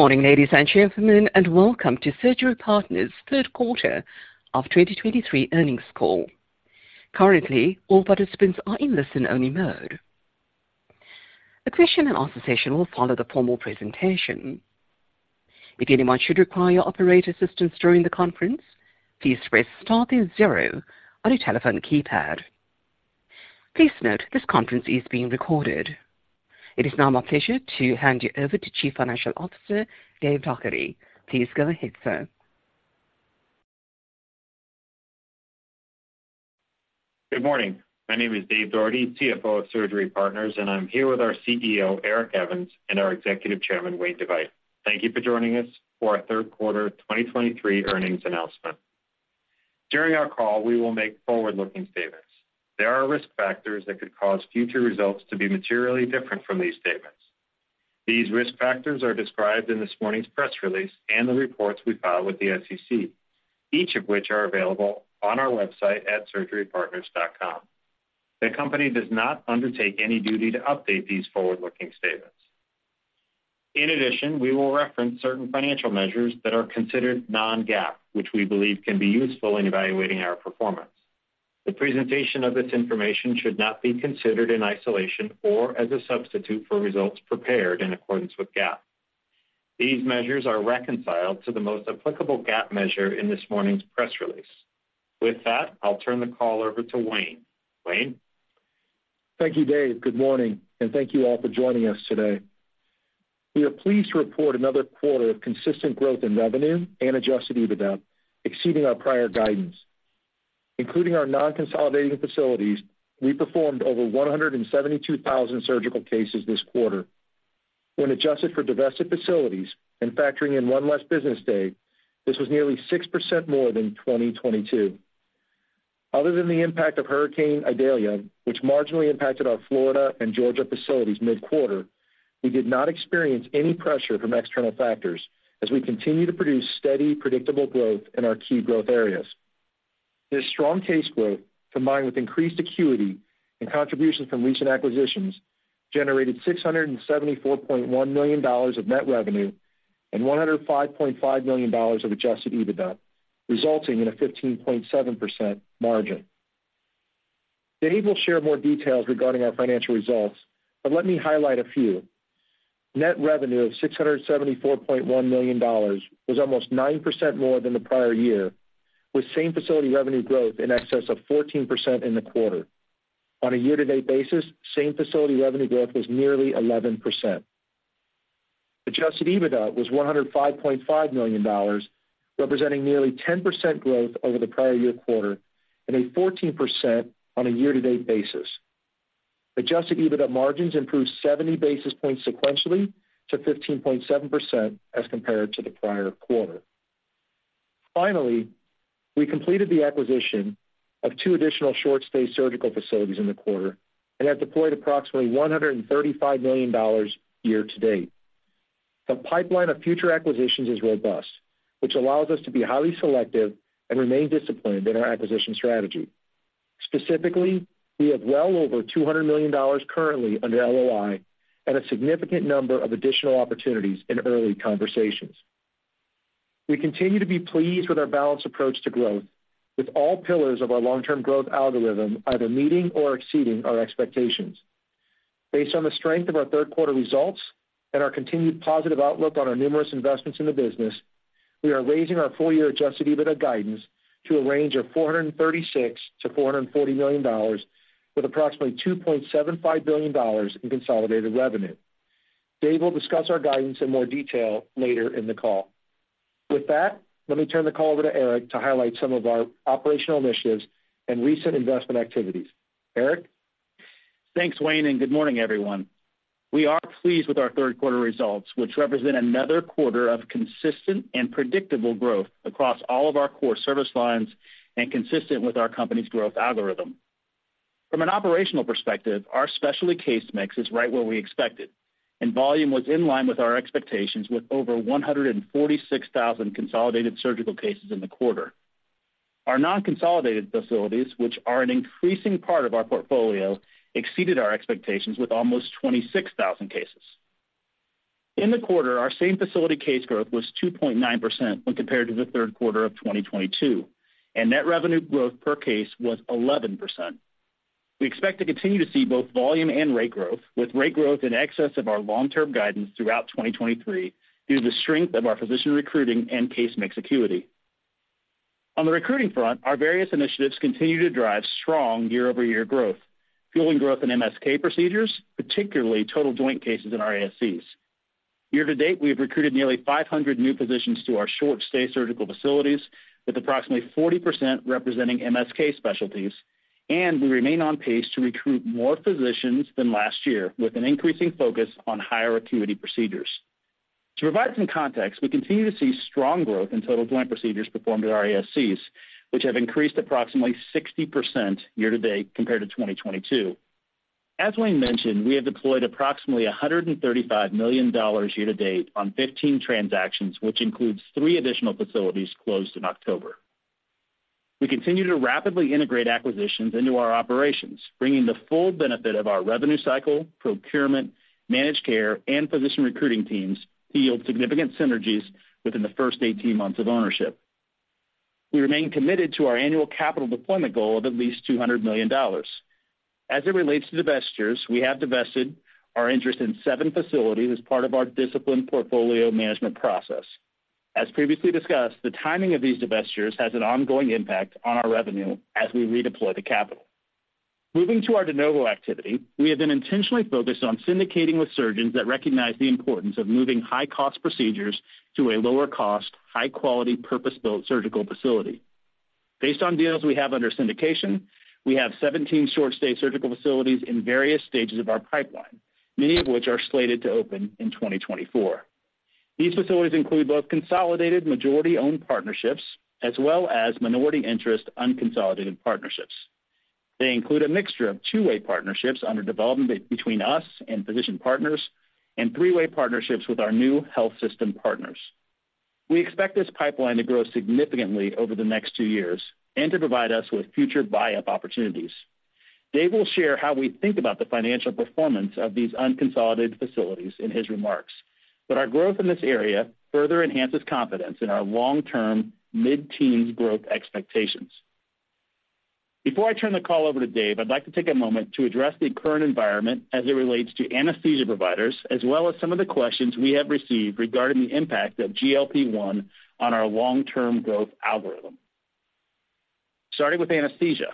Good morning, ladies and gentlemen, and welcome to Surgery Partners'Third Quarter of 2023 Earnings Call. Currently, all participants are in listen-only mode. A Q&A session will follow the formal presentation. If anyone should require your operator assistance during the conference, please press star then zero on your telephone keypad. Please note, this conference is being recorded. It is now my pleasure to hand you over to Chief Financial Officer, Dave Doherty. Please go ahead, sir. Good morning. My name is Dave Doherty, CFO of Surgery Partners, and I'm here with our CEO, Eric Evans, and our executive chairman, Wayne DeVeydt. Thank you for joining us for our third quarter 2023 earnings announcement. During our call, we will make forward-looking statements. There are risk factors that could cause future results to be materially different from these statements. These risk factors are described in this morning's press release and the reports we file with the SEC, each of which are available on our website at surgerypartners.com. The company does not undertake any duty to update these forward-looking statements. In addition, we will reference certain financial measures that are considered non-GAAP, which we believe can be useful in evaluating our performance. The presentation of this information should not be considered in isolation or as a substitute for results prepared in accordance with GAAP. These measures are reconciled to the most applicable GAAP measure in this morning's press release. With that, I'll turn the call over to Wayne. Wayne? Thank you, Dave. Good morning, and thank you all for joining us today. We are pleased to report another quarter of consistent growth in revenue and Adjusted EBITDA, exceeding our prior guidance. Including our non-consolidating facilities, we performed over 172,000 surgical cases this quarter. When adjusted for divested facilities and factoring in one less business day, this was nearly 6% more than 2022. Other than the impact of Hurricane Idalia, which marginally impacted our Florida and Georgia facilities mid-quarter, we did not experience any pressure from external factors as we continue to produce steady, predictable growth in our key growth areas. This strong case growth, combined with increased acuity and contributions from recent acquisitions, generated $674.1 million of net revenue and $105.5 million of Adjusted EBITDA, resulting in a 15.7% margin. Dave will share more details regarding our financial results, but let me highlight a few. Net revenue of $674.1 million was almost 9% more than the prior year, with same facility revenue growth in excess of 14% in the quarter. On a year-to-date basis, same facility revenue growth was nearly 11%. Adjusted EBITDA was $105.5 million, representing nearly 10% growth over the prior year quarter and a 14% on a year-to-date basis. Adjusted EBITDA margins improved 70 basis points sequentially to 15.7% as compared to the prior quarter. Finally, we completed the acquisition of two additional short stay surgical facilities in the quarter and have deployed approximately $135 million year-to-date. The pipeline of future acquisitions is robust, which allows us to be highly selective and remain disciplined in our acquisition strategy. Specifically, we have well over $200 million currently under LOI and a significant number of additional opportunities in early conversations. We continue to be pleased with our balanced approach to growth, with all pillars of our long-term growth algorithm either meeting or exceeding our expectations. Based on the strength of our third quarter results and our continued positive outlook on our numerous investments in the business, we are raising our full year Adjusted EBITDA guidance to a range of $436 million-$440 million, with approximately $2.75 billion in consolidated revenue. Dave will discuss our guidance in more detail later in the call. With that, let me turn the call over to Eric to highlight some of our operational initiatives and recent investment activities. Eric? Thanks, Wayne, and good morning, everyone. We are pleased with our third quarter results, which represent another quarter of consistent and predictable growth across all of our core service lines and consistent with our company's growth algorithm. From an operational perspective, our specialty case mix is right where we expected, and volume was in line with our expectations, with over 146,000 consolidated surgical cases in the quarter. Our non-consolidated facilities, which are an increasing part of our portfolio, exceeded our expectations with almost 26,000 cases. In the quarter, our same facility case growth was 2.9% when compared to the third quarter of 2022, and net revenue growth per case was 11%. We expect to continue to see both volume and rate growth, with rate growth in excess of our long-term guidance throughout 2023, due to the strength of our physician recruiting and case mix acuity. On the recruiting front, our various initiatives continue to drive strong year-over-year growth, fueling growth in MSK procedures, particularly total joint cases in our ASCs. Year-to-date, we have recruited nearly 500 new physicians to our short stay surgical facilities, with approximately 40% representing MSK specialties, and we remain on pace to recruit more physicians than last year, with an increasing focus on higher acuity procedures. To provide some context, we continue to see strong growth in total joint procedures performed at our ASCs, which have increased approximately 60% year to date compared to 2022. As Wayne mentioned, we have deployed approximately $135 million year-to-date on 15 transactions, which includes three additional facilities closed in October. We continue to rapidly integrate acquisitions into our operations, bringing the full benefit of our revenue cycle, procurement, managed care, and physician recruiting teams to yield significant synergies within the first 18 months of ownership. We remain committed to our annual capital deployment goal of at least $200 million. As it relates to divestitures, we have divested our interest in seven facilities as part of our disciplined portfolio management process. As previously discussed, the timing of these divestitures has an ongoing impact on our revenue as we redeploy the capital. Moving to our de novo activity, we have been intentionally focused on syndicating with surgeons that recognize the importance of moving high-cost procedures to a lower cost, high-quality, purpose-built surgical facility. Based on deals we have under syndication, we have 17 short-stay surgical facilities in various stages of our pipeline, many of which are slated to open in 2024. These facilities include both consolidated majority-owned partnerships as well as minority interest unconsolidated partnerships. They include a mixture of two-way partnerships under development between us and physician partners, and three-way partnerships with our new health system partners. We expect this pipeline to grow significantly over the next two years and to provide us with future buy-up opportunities. Dave will share how we think about the financial performance of these unconsolidated facilities in his remarks, but our growth in this area further enhances confidence in our long-term mid-teens growth expectations. Before I turn the call over to Dave, I'd like to take a moment to address the current environment as it relates to anesthesia providers, as well as some of the questions we have received regarding the impact of GLP-1 on our long-term growth algorithm. Starting with anesthesia,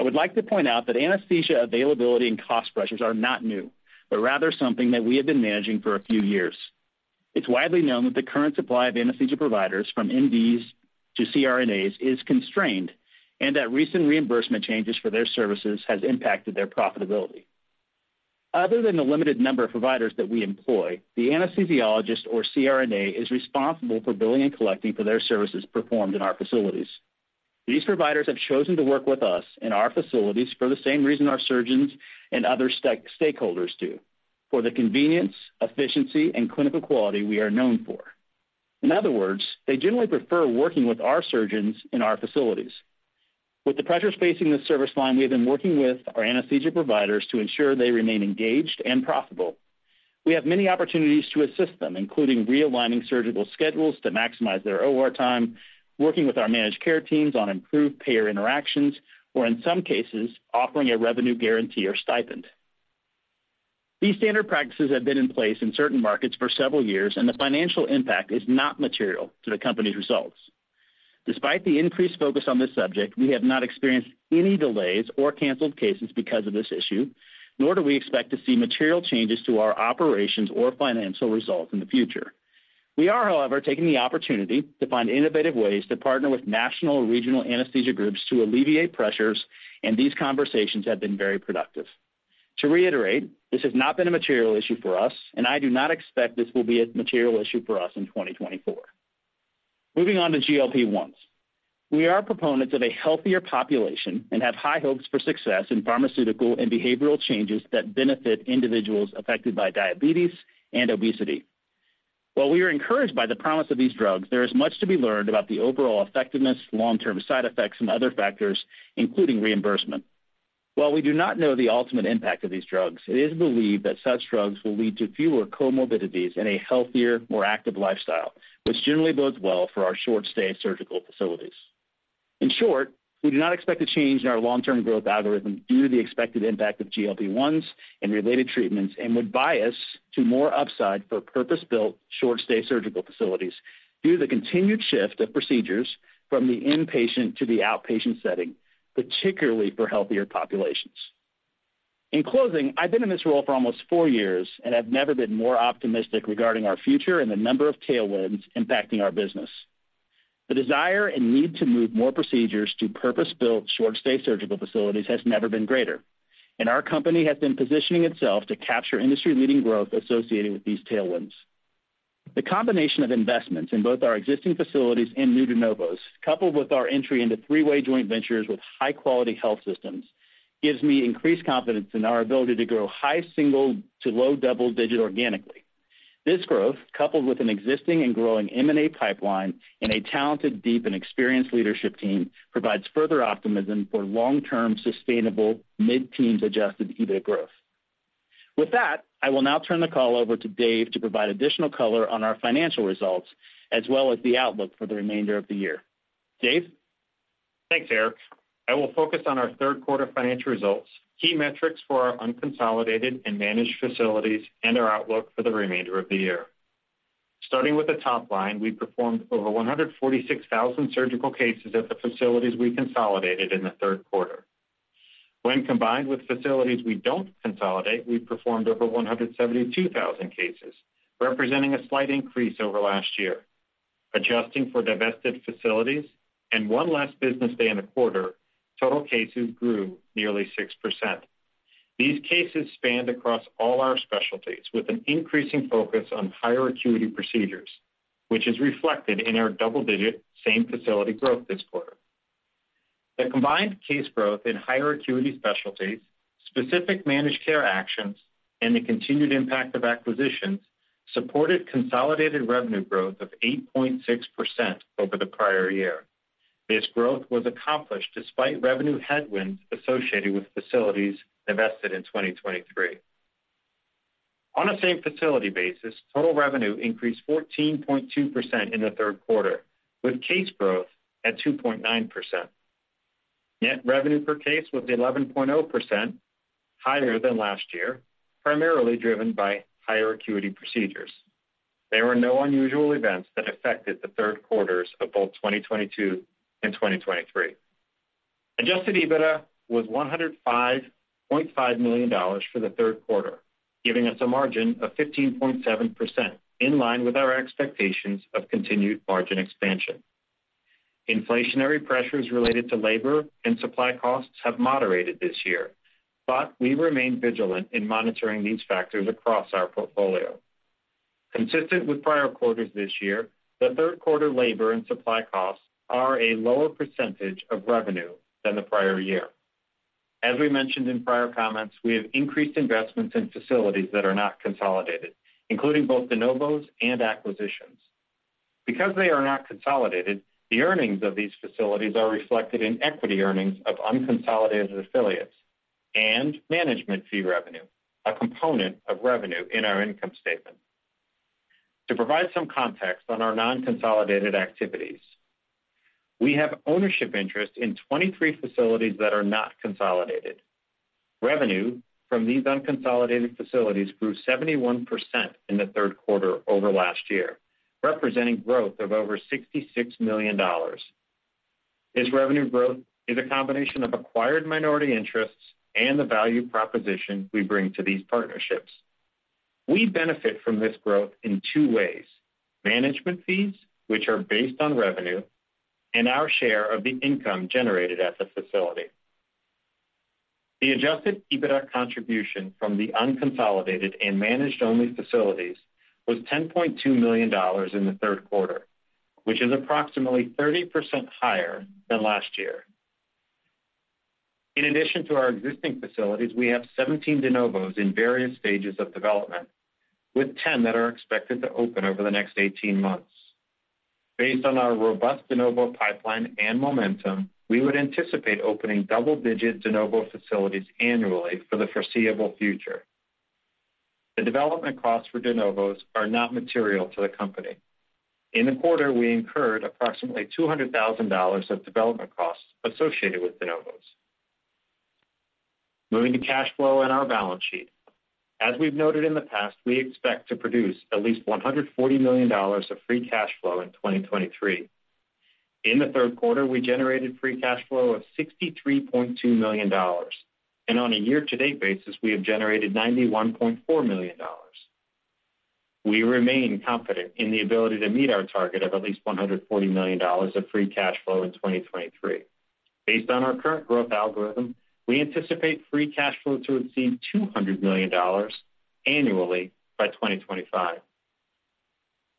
I would like to point out that anesthesia availability and cost pressures are not new, but rather something that we have been managing for a few years. It's widely known that the current supply of anesthesia providers, from M.D.s to CRNAs, is constrained, and that recent reimbursement changes for their services has impacted their profitability. Other than the limited number of providers that we employ, the anesthesiologist or CRNA is responsible for billing and collecting for their services performed in our facilities. These providers have chosen to work with us in our facilities for the same reason our surgeons and other stakeholders do: for the convenience, efficiency, and clinical quality we are known for. In other words, they generally prefer working with our surgeons in our facilities. With the pressures facing this service line, we have been working with our anesthesia providers to ensure they remain engaged and profitable. We have many opportunities to assist them, including realigning surgical schedules to maximize their OR time, working with our managed care teams on improved payer interactions, or in some cases, offering a revenue guarantee or stipend. These standard practices have been in place in certain markets for several years, and the financial impact is not material to the company's results. Despite the increased focus on this subject, we have not experienced any delays or canceled cases because of this issue, nor do we expect to see material changes to our operations or financial results in the future. We are, however, taking the opportunity to find innovative ways to partner with national and regional anesthesia groups to alleviate pressures, and these conversations have been very productive. To reiterate, this has not been a material issue for us, and I do not expect this will be a material issue for us in 2024. Moving on to GLP-1s. We are proponents of a healthier population and have high hopes for success in pharmaceutical and behavioral changes that benefit individuals affected by diabetes and obesity. While we are encouraged by the promise of these drugs, there is much to be learned about the overall effectiveness, long-term side effects, and other factors, including reimbursement. While we do not know the ultimate impact of these drugs, it is believed that such drugs will lead to fewer comorbidities and a healthier, more active lifestyle, which generally bodes well for our short-stay surgical facilities. In short, we do not expect a change in our long-term growth algorithm due to the expected impact of GLP-1s and related treatments, and would bias to more upside for purpose-built, short-stay surgical facilities due to the continued shift of procedures from the inpatient to the outpatient setting, particularly for healthier populations. In closing, I've been in this role for almost four years and have never been more optimistic regarding our future and the number of tailwinds impacting our business. The desire and need to move more procedures to purpose-built, short-stay surgical facilities has never been greater, and our company has been positioning itself to capture industry-leading growth associated with these tailwinds. The combination of investments in both our existing facilities and new de novos, coupled with our entry into three-way joint ventures with high-quality health systems, gives me increased confidence in our ability to grow high single to low double digit organically. This growth, coupled with an existing and growing M&A pipeline and a talented, deep, and experienced leadership team, provides further optimism for long-term, sustainable mid-teens adjusted EBIT growth. With that, I will now turn the call over to Dave to provide additional color on our financial results, as well as the outlook for the remainder of the year. Dave? Thanks, Eric. I will focus on our third quarter financial results, key metrics for our unconsolidated and managed facilities, and our outlook for the remainder of the year. Starting with the top line, we performed over 146,000 surgical cases at the facilities we consolidated in the third quarter. When combined with facilities we don't consolidate, we performed over 172,000 cases, representing a slight increase over last year. Adjusting for divested facilities and one less business day in the quarter, total cases grew nearly 6%. These cases spanned across all our specialties, with an increasing focus on higher acuity procedures, which is reflected in our double-digit same facility growth this quarter. The combined case growth in higher acuity specialties. Specific managed care actions and the continued impact of acquisitions supported consolidated revenue growth of 8.6% over the prior year. This growth was accomplished despite revenue headwinds associated with facilities divested in 2023. On a same facility basis, total revenue increased 14.2% in the third quarter, with case growth at 2.9%. Net revenue per case was 11.0% higher than last year, primarily driven by higher acuity procedures. There were no unusual events that affected the third quarters of both 2022 and 2023. Adjusted EBITDA was $105.5 million for the third quarter, giving us a margin of 15.7%, in line with our expectations of continued margin expansion. Inflationary pressures related to labor and supply costs have moderated this year, but we remain vigilant in monitoring these factors across our portfolio. Consistent with prior quarters this year, the third quarter labor and supply costs are a lower percentage of revenue than the prior year. As we mentioned in prior comments, we have increased investments in facilities that are not consolidated, including both de novos and acquisitions. Because they are not consolidated, the earnings of these facilities are reflected in equity earnings of unconsolidated affiliates and management fee revenue, a component of revenue in our income statement. To provide some context on our non-consolidated activities, we have ownership interest in 23 facilities that are not consolidated. Revenue from these unconsolidated facilities grew 71% in the third quarter over last year, representing growth of over $66 million. This revenue growth is a combination of acquired minority interests and the value proposition we bring to these partnerships. We benefit from this growth in two ways: management fees, which are based on revenue, and our share of the income generated at the facility. The Adjusted EBITDA contribution from the unconsolidated and managed-only facilities was $10.2 million in the third quarter, which is approximately 30% higher than last year. In addition to our existing facilities, we have 17 de novos in various stages of development, with 10 that are expected to open over the next 18 months. Based on our robust de novo pipeline and momentum, we would anticipate opening double-digit de novo facilities annually for the foreseeable future. The development costs for de novos are not material to the company. In the quarter, we incurred approximately $200,000 of development costs associated with de novos. Moving to cash flow and our balance sheet. As we've noted in the past, we expect to produce at least $140 million of free cash flow in 2023. In the third quarter, we generated free cash flow of $63.2 million, and on a year-to-date basis, we have generated $91.4 million. We remain confident in the ability to meet our target of at least $140 million of free cash flow in 2023. Based on our current growth algorithm, we anticipate free cash flow to exceed $200 million annually by 2025.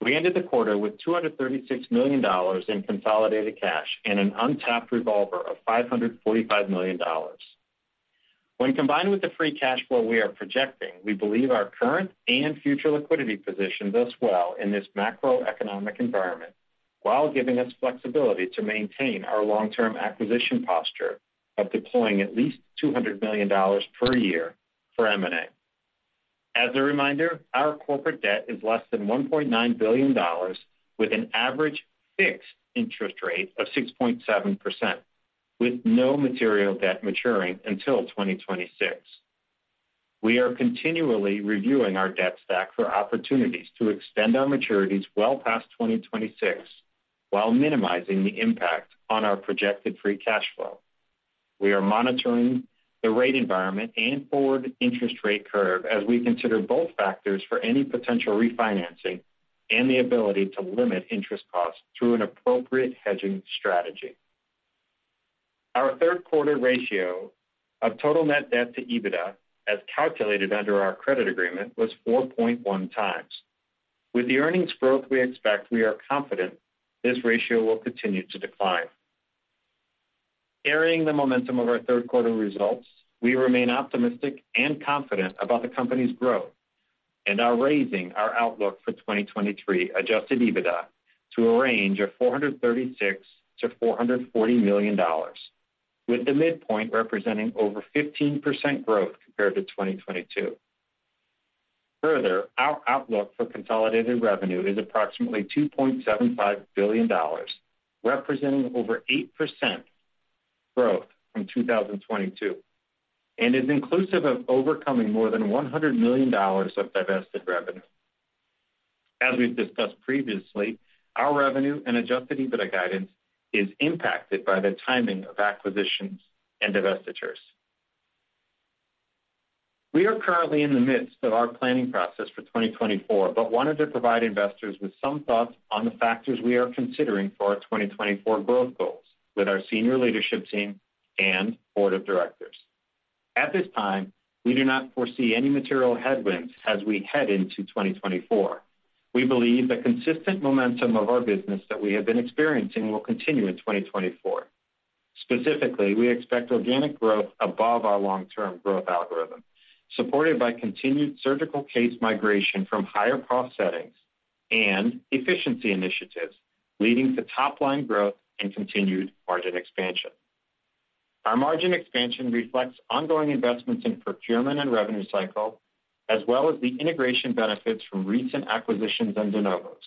We ended the quarter with $236 million in consolidated cash and an untapped revolver of $545 million. When combined with the free cash flow we are projecting, we believe our current and future liquidity position does well in this macroeconomic environment, while giving us flexibility to maintain our long-term acquisition posture of deploying at least $200 million per year for M&A. As a reminder, our corporate debt is less than $1.9 billion, with an average fixed interest rate of 6.7%, with no material debt maturing until 2026. We are continually reviewing our debt stack for opportunities to extend our maturities well past 2026, while minimizing the impact on our projected free cash flow. We are monitoring the rate environment and forward interest rate curve as we consider both factors for any potential refinancing and the ability to limit interest costs through an appropriate hedging strategy. Our third quarter ratio of total net debt to EBITDA, as calculated under our credit agreement, was 4.1 times. With the earnings growth we expect, we are confident this ratio will continue to decline. Carrying the momentum of our third quarter results, we remain optimistic and confident about the company's growth and are raising our outlook for 2023 Adjusted EBITDA to a range of $436 million-$440 million, with the midpoint representing over 15% growth compared to 2022. Further, our outlook for consolidated revenue is approximately $2.75 billion, representing over 8% growth from 2022 and is inclusive of overcoming more than $100 million of divested revenue. As we've discussed previously, our revenue and Adjusted EBITDA guidance is impacted by the timing of acquisitions and divestitures. We are currently in the midst of our planning process for 2024, but wanted to provide investors with some thoughts on the factors we are considering for our 2024 growth goals with our senior leadership team and board of directors. At this time, we do not foresee any material headwinds as we head into 2024. We believe the consistent momentum of our business that we have been experiencing will continue in 2024. Specifically, we expect organic growth above our long-term growth algorithm, supported by continued surgical case migration from higher-cost settings and efficiency initiatives, leading to top-line growth and continued margin expansion. Our margin expansion reflects ongoing investments in procurement and revenue cycle, as well as the integration benefits from recent acquisitions and de novos.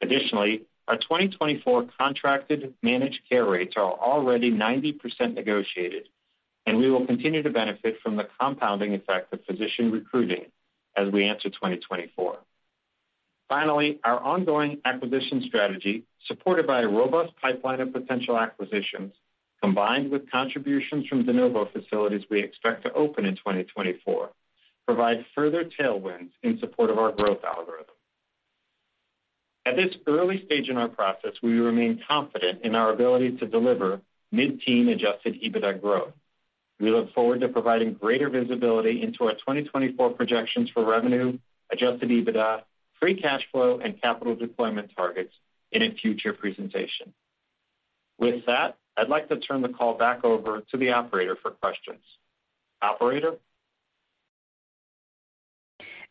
Additionally, our 2024 contracted managed care rates are already 90% negotiated, and we will continue to benefit from the compounding effect of physician recruiting as we enter 2024. Finally, our ongoing acquisition strategy, supported by a robust pipeline of potential acquisitions, combined with contributions from de novo facilities we expect to open in 2024, provide further tailwinds in support of our growth algorithm. At this early stage in our process, we remain confident in our ability to deliver mid-teen Adjusted EBITDA growth. We look forward to providing greater visibility into our 2024 projections for revenue, Adjusted EBITDA, free cash flow, and capital deployment targets in a future presentation. With that, I'd like to turn the call back over to the operator for questions.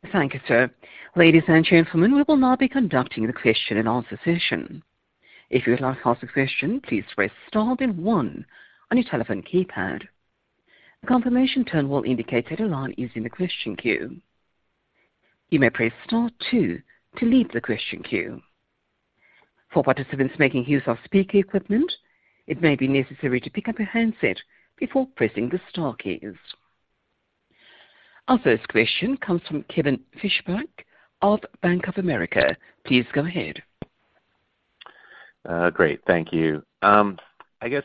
Operator? Thank you, sir. Ladies and gentlemen, we will now be conducting the Q&A session. If you would like to ask a question, please press star then one on your telephone keypad. A confirmation tone will indicate that your line is in the question queue. You may press star two to leave the question queue. For participants making use of speaker equipment, it may be necessary to pick up your handset before pressing the star keys. Our first question comes from Kevin Fischbeck of Bank of America. Please go ahead. Great, thank you. I guess,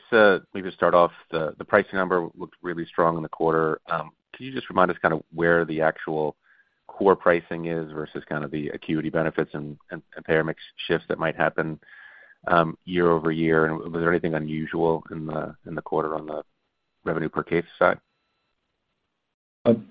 maybe to start off, the pricing number looked really strong in the quarter. Can you just remind us kind of where the actual core pricing is versus kind of the acuity benefits and payer mix shifts that might happen year-over-year? And was there anything unusual in the quarter on the revenue per case side?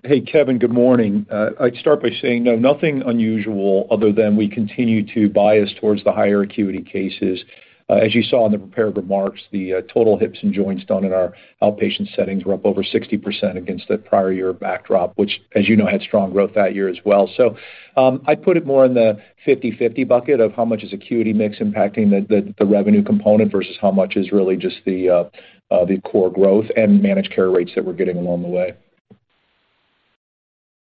Hey, Kevin, good morning. I'd start by saying, no, nothing unusual other than we continue to bias towards the higher acuity cases. As you saw in the prepared remarks, the total hips and joints done in our outpatient settings were up over 60% against the prior year backdrop, which, as you know, had strong growth that year as well. So, I'd put it more in the 50/50 bucket of how much is acuity mix impacting the revenue component, versus how much is really just the core growth and managed care rates that we're getting along the way.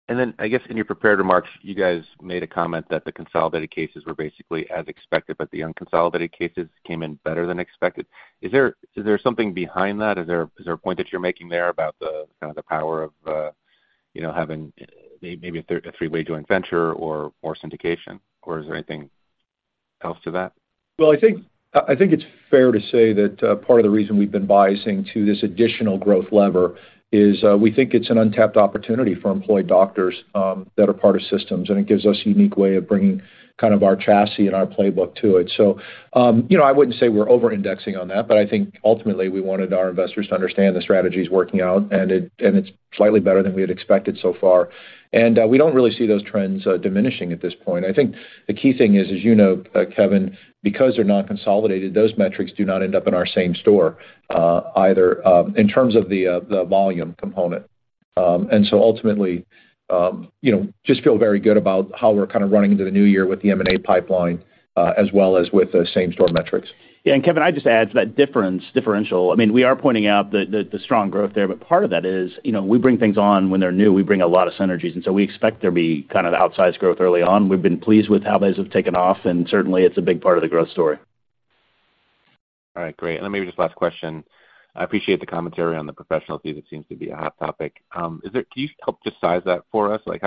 Then, I guess in your prepared remarks, you guys made a comment that the consolidated cases were basically as expected, but the unconsolidated cases came in better than expected. Is there something behind that? Is there a point that you're making there about the, kind of the power of, you know, having maybe a three-way joint venture or syndication, or is there anything else to that? Well, I think it's fair to say that part of the reason we've been biasing to this additional growth lever is we think it's an untapped opportunity for employed doctors that are part of systems. And it gives us a unique way of bringing kind of our chassis and our playbook to it. So, you know, I wouldn't say we're over-indexing on that, but I think ultimately we wanted our investors to understand the strategy's working out, and it's slightly better than we had expected so far. And we don't really see those trends diminishing at this point. I think the key thing is, as you know, Kevin, because they're not consolidated, those metrics do not end up in our same store either, in terms of the volume component. And so ultimately, you know, just feel very good about how we're kind of running into the new year with the M&A pipeline, as well as with the same store metrics. Yeah, and Kevin, I'd just add to that difference, differential, I mean, we are pointing out the strong growth there, but part of that is, you know, we bring things on when they're new. We bring a lot of synergies, and so we expect there be kind of outsized growth early on. We've been pleased with how those have taken off, and certainly, it's a big part of the growth story. All right, great. Then maybe just last question. I appreciate the commentary on the professional fees. It seems to be a hot topic. Is there? Can you help just size that for us? Like,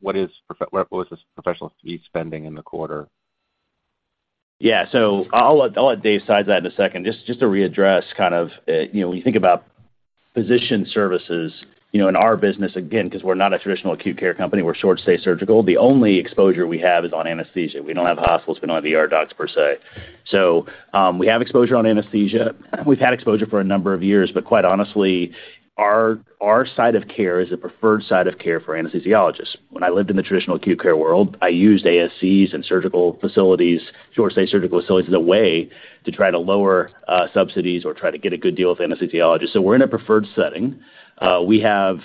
what was the professional fee spending in the quarter? Yeah. So I'll let Dave size that in a second. Just, just to readdress, kind of, you know, when you think about physician services, you know, in our business, again, because we're not a traditional acute care company, we're short-stay surgical, the only exposure we have is on anesthesia. We don't have hospitals. We don't have ER docs per se. So, we have exposure on anesthesia. We've had exposure for a number of years, but quite honestly, our side of care is a preferred side of care for anesthesiologists. When I lived in the traditional acute care world, I used ASCs and surgical facilities, short-stay surgical facilities, as a way to try to lower, subsidies or try to get a good deal with anesthesiologists. So we're in a preferred setting. We have,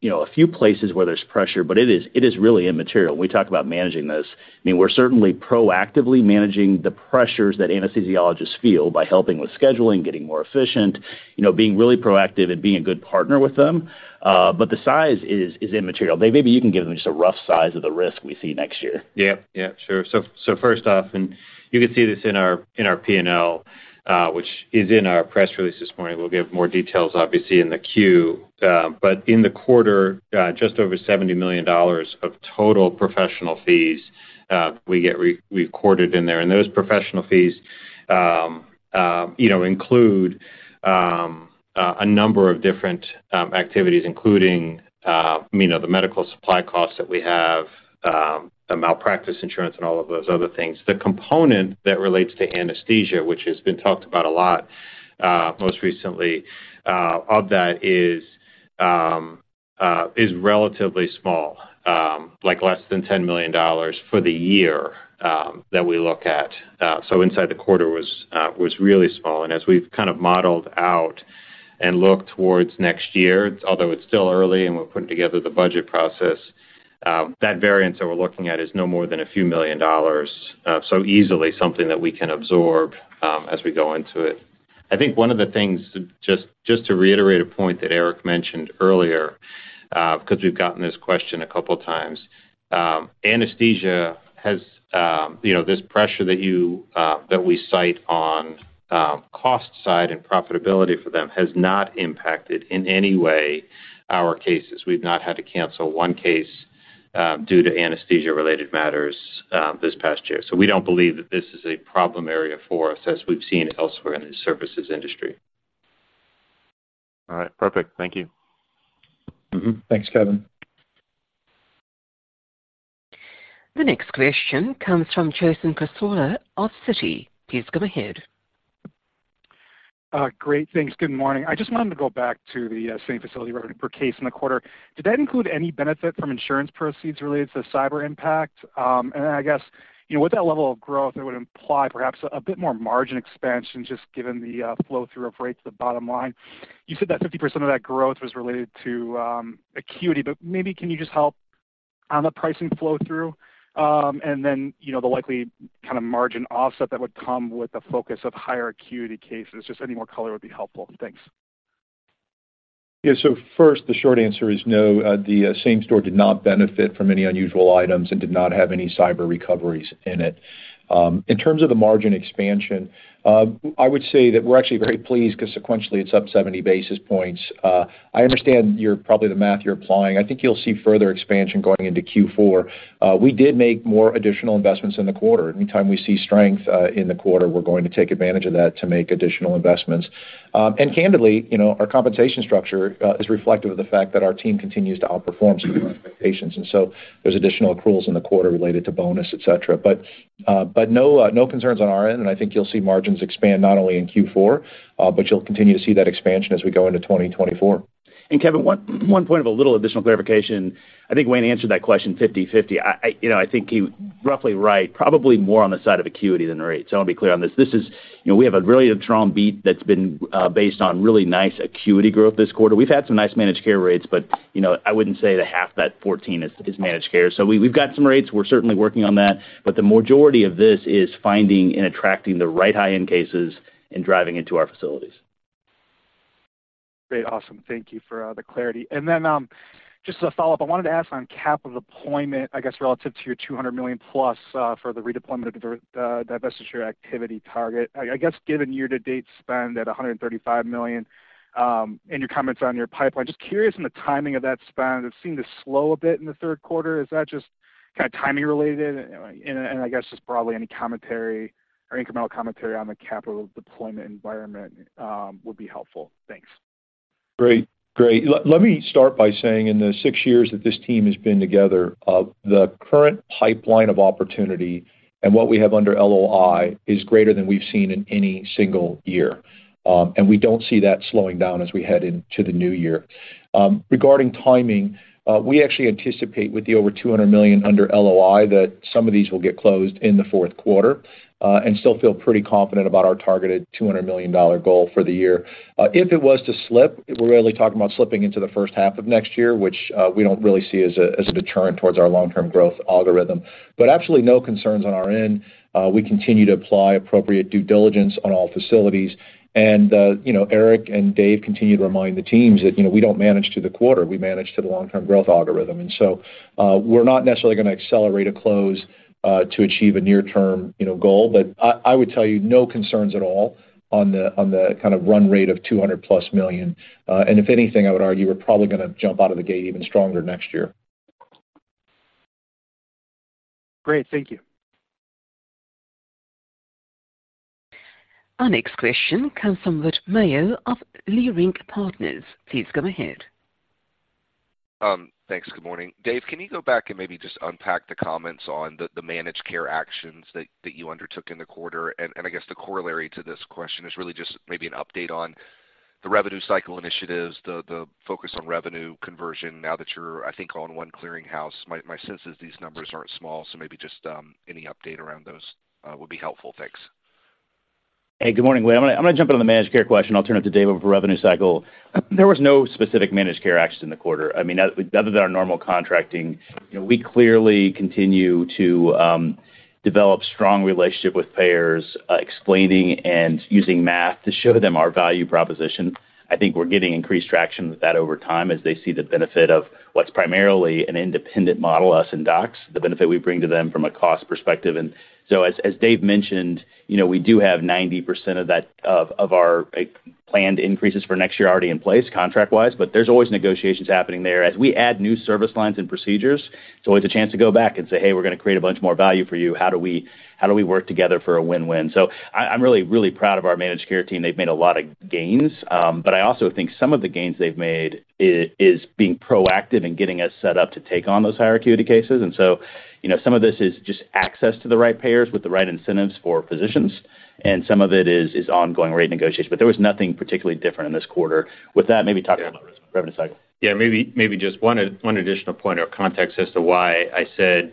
you know, a few places where there's pressure, but it is, it is really immaterial. We talk about managing this. I mean, we're certainly proactively managing the pressures that anesthesiologists feel by helping with scheduling, getting more efficient, you know, being really proactive and being a good partner with them. But the size is, is immaterial. Dave, maybe you can give them just a rough size of the risk we see next year. Yeah, yeah, sure. So first off, and you can see this in our P&L, which is in our press release this morning. We'll give more details, obviously, in the Q. But in the quarter, just over $70 million of total professional fees we were recorded in there. And those professional fees, you know, include a number of different activities, including, you know, the medical supply costs that we have, the malpractice insurance, and all of those other things. The component that relates to anesthesia, which has been talked about a lot, most recently, of that is,... relatively small, like less than $10 million for the year that we look at. So inside the quarter was really small. And as we've kind of modeled out and looked towards next year, although it's still early and we're putting together the budget process, that variance that we're looking at is no more than $a few million. So easily something that we can absorb, as we go into it. I think one of the things, just to reiterate a point that Eric mentioned earlier, because we've gotten this question a couple of times, anesthesia has, you know, this pressure that you, that we cite on cost side and profitability for them has not impacted, in any way, our cases. We've not had to cancel one case, due to anesthesia-related matters, this past year. So we don't believe that this is a problem area for us as we've seen elsewhere in the services industry. All right. Perfect. Thank you. Mm-hmm. Thanks, Kevin. The next question comes from Jason Cassorla of Citi. Please go ahead. Great. Thanks. Good morning. I just wanted to go back to the same facility revenue per case in the quarter. Did that include any benefit from insurance proceeds related to cyber impact? And then I guess, you know, with that level of growth, it would imply perhaps a bit more margin expansion, just given the flow-through of rates to the bottom line. You said that 50% of that growth was related to acuity, but maybe can you just help on the pricing flow-through, and then, you know, the likely kind of margin offset that would come with the focus of higher acuity cases? Just any more color would be helpful. Thanks. Yeah. So first, the short answer is no, the same store did not benefit from any unusual items and did not have any cyber recoveries in it. In terms of the margin expansion, I would say that we're actually very pleased because sequentially it's up 70 basis points. I understand you're-- probably the math you're applying. I think you'll see further expansion going into Q4. We did make more additional investments in the quarter. Anytime we see strength in the quarter, we're going to take advantage of that to make additional investments. And candidly, you know, our compensation structure is reflective of the fact that our team continues to outperform some of our expectations, and so there's additional accruals in the quarter related to bonus, et cetera. But no concerns on our end, and I think you'll see margins expand not only in Q4, but you'll continue to see that expansion as we go into 2024. And Kevin, one point of a little additional clarification. I think Wayne answered that question 50/50. I, you know, I think he roughly right, probably more on the side of acuity than the rate, so I want to be clear on this. This is... You know, we have a really strong beat that's been based on really nice acuity growth this quarter. We've had some nice managed care rates, but, you know, I wouldn't say that half that 14 is managed care. So we, we've got some rates. We're certainly working on that, but the majority of this is finding and attracting the right high-end cases and driving into our facilities. Great. Awesome. Thank you for the clarity. And then, just as a follow-up, I wanted to ask on capital deployment, I guess, relative to your $200 million plus for the redeployment of the divestiture activity target. I guess, given year-to-date spend at $135 million, and your comments on your pipeline, just curious on the timing of that spend. It seemed to slow a bit in the third quarter. Is that just kind of timing related? And I guess just broadly, any commentary or incremental commentary on the capital deployment environment would be helpful. Thanks. Great. Great. Let me start by saying in the six years that this team has been together, the current pipeline of opportunity and what we have under LOI is greater than we've seen in any single year, and we don't see that slowing down as we head into the new year. Regarding timing, we actually anticipate with the over $200 million under LOI, that some of these will get closed in the fourth quarter, and still feel pretty confident about our targeted $200 million goal for the year. If it was to slip, we're really talking about slipping into the first half of next year, which we don't really see as a deterrent towards our long-term growth algorithm. But absolutely no concerns on our end. We continue to apply appropriate due diligence on all facilities, and, you know, Eric and Dave continue to remind the teams that, you know, we don't manage to the quarter, we manage to the long-term growth algorithm. And so, we're not necessarily gonna accelerate a close, to achieve a near-term, you know, goal. But I, I would tell you no concerns at all on the, on the kind of run rate of $200+ million. And if anything, I would argue we're probably gonna jump out of the gate even stronger next year. Great. Thank you. Our next question comes from Whit Mayo of Leerink Partners. Please go ahead. Thanks. Good morning. Dave, can you go back and maybe just unpack the comments on the managed care actions that you undertook in the quarter? I guess the corollary to this question is really just maybe an update on the revenue cycle initiatives, the focus on revenue conversion now that you're, I think, all in one clearinghouse. My sense is these numbers aren't small, so maybe just any update around those would be helpful. Thanks. Hey, good morning. I'm gonna jump into the managed care question. I'll turn it to Dave over revenue cycle. There was no specific managed care action in the quarter. I mean, other than our normal contracting, you know, we clearly continue to develop strong relationship with payers, explaining and using math to show them our value proposition. I think we're getting increased traction with that over time as they see the benefit of what's primarily an independent model, us and docs, the benefit we bring to them from a cost perspective. And so as Dave mentioned, you know, we do have 90% of that of our planned increases for next year already in place, contract-wise, but there's always negotiations happening there. As we add new service lines and procedures, there's always a chance to go back and say, "Hey, we're gonna create a bunch more value for you. How do we work together for a win-win?" So I'm really, really proud of our managed care team. They've made a lot of gains, but I also think some of the gains they've made is being proactive in getting us set up to take on those higher acuity cases. And so, you know, some of this is just access to the right payers with the right incentives for physicians, and some of it is ongoing rate negotiation. But there was nothing particularly different in this quarter. With that, maybe talk about revenue cycle. Yeah, maybe, maybe just one, one additional point or context as to why I said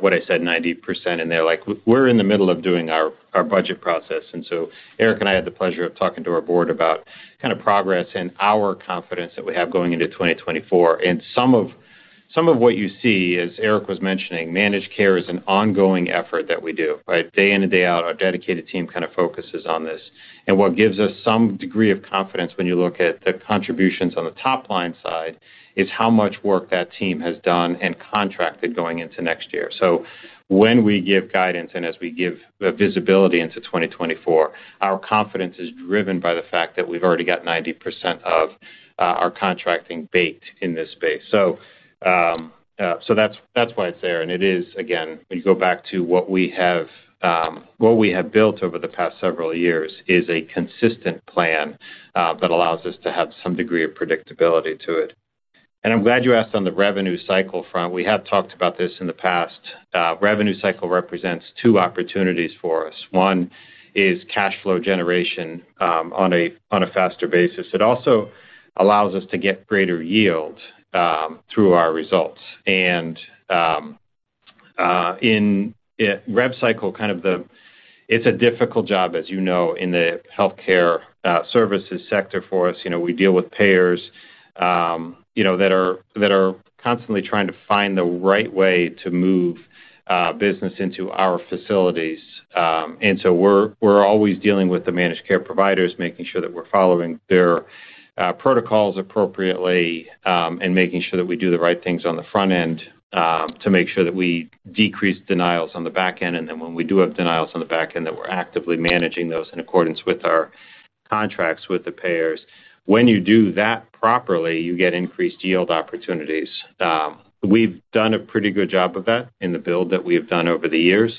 what I said, 90% in there. Like, we're in the middle of doing our, our budget process, and so Eric and I had the pleasure of talking to our board about kind of progress and our confidence that we have going into 2024. And some of what you see, as Eric was mentioning, managed care is an ongoing effort that we do, right? Day in and day out, our dedicated team kind of focuses on this. And what gives us some degree of confidence when you look at the contributions on the top line side, is how much work that team has done and contracted going into next year. So when we give guidance and as we give the visibility into 2024, our confidence is driven by the fact that we've already got 90% of, our contracting baked in this space. So, so that's, that's why it's there, and it is, again, when you go back to what we have, what we have built over the past several years, is a consistent plan, that allows us to have some degree of predictability to it. I'm glad you asked on the revenue cycle front. We have talked about this in the past. Revenue cycle represents two opportunities for us. One is cash flow generation on a faster basis. It also allows us to get greater yield through our results. In rev cycle, it's a difficult job, as you know, in the healthcare services sector for us. You know, we deal with payers, you know, that are constantly trying to find the right way to move business into our facilities. And so we're always dealing with the managed care providers, making sure that we're following their protocols appropriately, and making sure that we do the right things on the front end to make sure that we decrease denials on the back end. Then when we do have denials on the back end, that we're actively managing those in accordance with our contracts with the payers. When you do that properly, you get increased yield opportunities. We've done a pretty good job of that in the build that we have done over the years.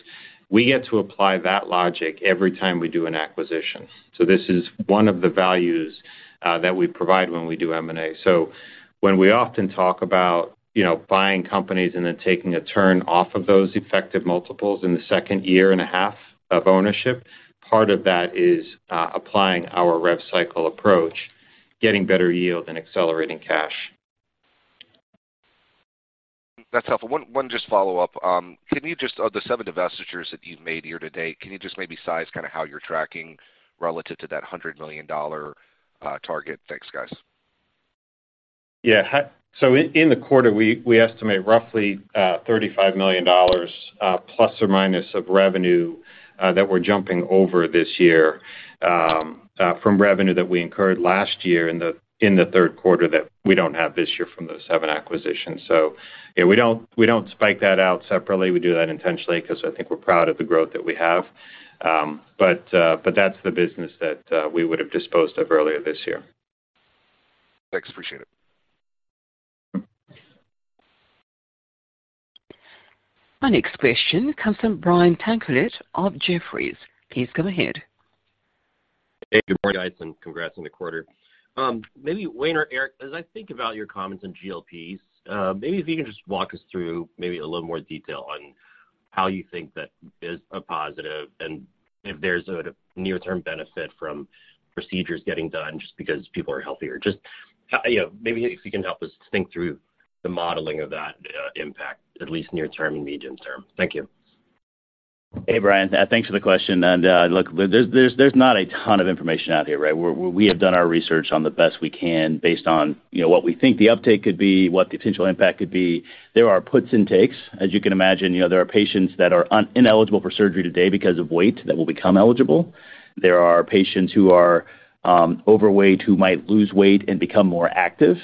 We get to apply that logic every time we do an acquisition. So this is one of the values that we provide when we do M&A. So when we often talk about, you know, buying companies and then taking a turn off of those effective multiples in the second year and a half of ownership, part of that is applying our rev cycle approach, getting better yield and accelerating cash. That's helpful. One just follow-up. Can you just... Of the seven divestitures that you've made year to date, can you just maybe size kinda how you're tracking relative to that $100 million target? Thanks, guys. Yeah. So in the quarter, we estimate roughly $35 million plus or minus of revenue that we're jumping over this year from revenue that we incurred last year in the third quarter that we don't have this year from those seven acquisitions. So, yeah, we don't spike that out separately. We do that intentionally 'cause I think we're proud of the growth that we have. But that's the business that we would have disposed of earlier this year. Thanks, appreciate it. Our next question comes from Brian Tanquilut of Jefferies. Please go ahead. Hey, good morning, guys, and congrats on the quarter. Maybe Wayne or Eric, as I think about your comments on GLPs, maybe if you can just walk us through maybe a little more detail on how you think that is a positive, and if there's a near-term benefit from procedures getting done just because people are healthier. Just, you know, maybe if you can help us think through the modeling of that, impact, at least near term and medium term. Thank you. Hey, Brian, thanks for the question. And, look, there's not a ton of information out there, right? We have done our research to the best we can based on, you know, what we think the uptake could be, what the potential impact could be. There are puts and takes, as you can imagine. You know, there are patients that are ineligible for surgery today because of weight, that will become eligible. There are patients who are overweight, who might lose weight and become more active.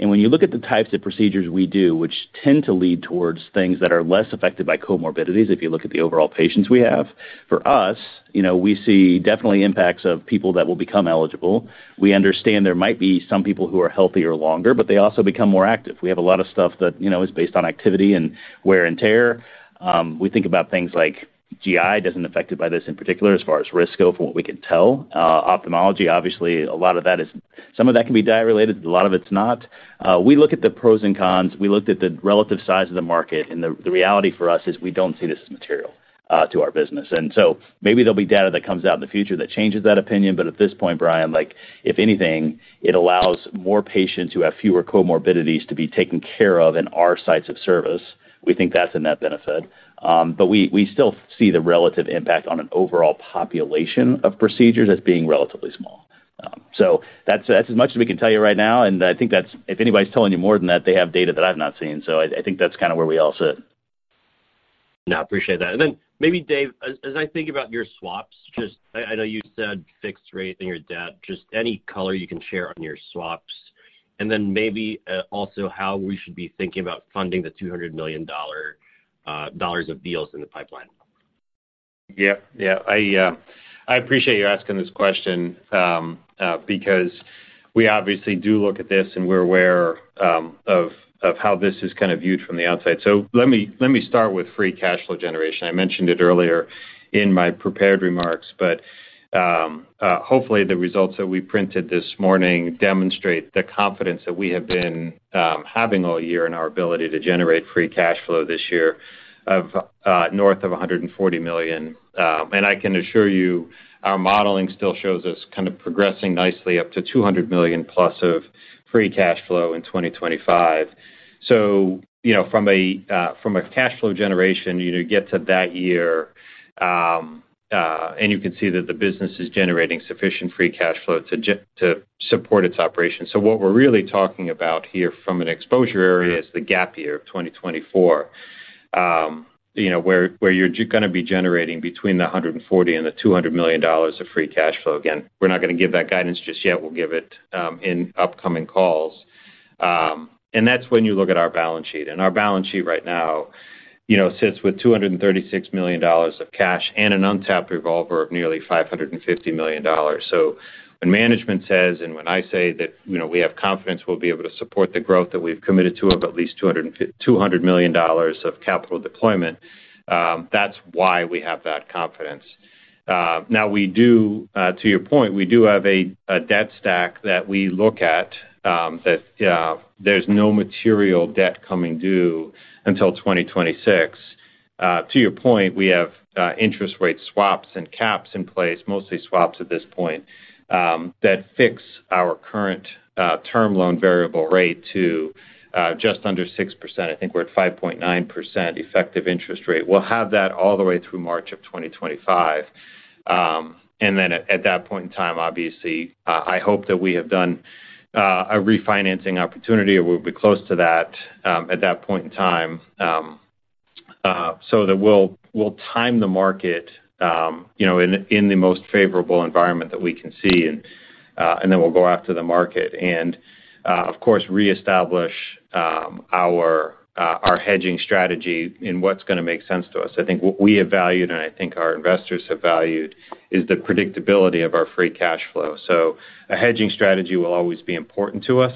And when you look at the types of procedures we do, which tend to lead towards things that are less affected by comorbidities, if you look at the overall patients we have, for us, you know, we see definitely impacts of people that will become eligible. We understand there might be some people who are healthier longer, but they also become more active. We have a lot of stuff that, you know, is based on activity and wear and tear. We think about things like GI, doesn't affected by this in particular, as far as risk go, from what we can tell. Ophthalmology, obviously, a lot of that is, some of that can be diet-related, a lot of it's not. We look at the pros and cons. We looked at the relative size of the market, and the, the reality for us is we don't see this as material to our business. So maybe there'll be data that comes out in the future that changes that opinion, but at this point, Brian, like, if anything, it allows more patients who have fewer comorbidities to be taken care of in our sites of service. We think that's a net benefit. But we still see the relative impact on an overall population of procedures as being relatively small. So that's as much as we can tell you right now, and I think that's it. If anybody's telling you more than that, they have data that I've not seen. So I think that's kinda where we all sit. No, appreciate that. And then maybe, Dave, as I think about your swaps, just, I know you said fixed rate in your debt, just any color you can share on your swaps, and then maybe, also how we should be thinking about funding the $200 million of deals in the pipeline. Yeah, yeah. I, I appreciate you asking this question, because we obviously do look at this, and we're aware of how this is kind of viewed from the outside. So let me, let me start with free cash flow generation. I mentioned it earlier in my prepared remarks, but, hopefully, the results that we printed this morning demonstrate the confidence that we have been having all year in our ability to generate free cash flow this year of north of $140 million. And I can assure you, our modeling still shows us kind of progressing nicely up to $200 million+ of free cash flow in 2025. So, you know, from a cash flow generation, you know, get to that year, and you can see that the business is generating sufficient free cash flow to support its operations. So what we're really talking about here from an exposure area is the gap year of 2024.... you know, where, where you're gonna be generating between $140 million and $200 million of free cash flow. Again, we're not gonna give that guidance just yet. We'll give it in upcoming calls. And that's when you look at our balance sheet, and our balance sheet right now, you know, sits with $236 million of cash and an untapped revolver of nearly $550 million. So when management says, and when I say that, you know, we have confidence we'll be able to support the growth that we've committed to of at least $250-$200 million of capital deployment, that's why we have that confidence. Now we do, to your point, we do have a debt stack that we look at, that there's no material debt coming due until 2026. To your point, we have interest rate swaps and caps in place, mostly swaps at this point, that fix our current term loan variable rate to just under 6%. I think we're at 5.9% effective interest rate. We'll have that all the way through March of 2025. And then at that point in time, obviously, I hope that we have done a refinancing opportunity, or we'll be close to that at that point in time. So that we'll time the market, you know, in the most favorable environment that we can see, and then we'll go out to the market and, of course, reestablish our hedging strategy in what's gonna make sense to us. I think what we have valued, and I think our investors have valued, is the predictability of our free cash flow. So a hedging strategy will always be important to us.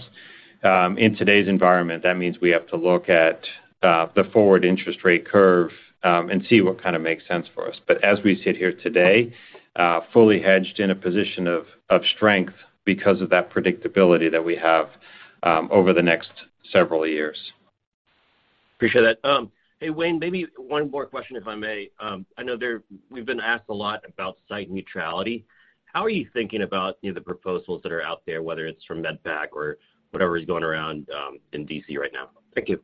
In today's environment, that means we have to look at the forward interest rate curve and see what kinda makes sense for us. But as we sit here today, fully hedged in a position of strength because of that predictability that we have over the next several years. Appreciate that. Hey, Wayne, maybe one more question, if I may. I know we've been asked a lot about site neutrality. How are you thinking about, you know, the proposals that are out there, whether it's from MedPAC or whatever is going around, in D.C. right now? Thank you.